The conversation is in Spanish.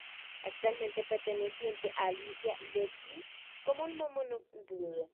Actualmente perteneciente a Alicia Ludwig como un monumento particular.